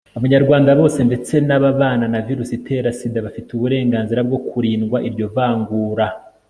abanyarwanda bose, ndetse n'ababana na virusi itera sida, bafite uburenganzira bwo kurindwa iryo vangura